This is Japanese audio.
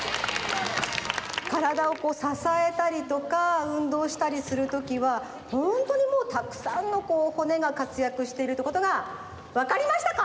カラダをこうささえたりとか運動したりするときはホントにもうたくさんのこう骨がかつやくしてるってことがわかりましたか？